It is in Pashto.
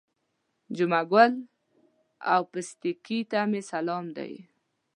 جمعه ګل او پستکي ته مې سلام دی.